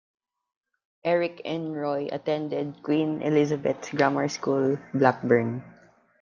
Eric and Roy attended Queen Elizabeths Grammar School, Blackburn.